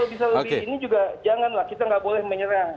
ini juga jangan lah kita gak boleh menyerang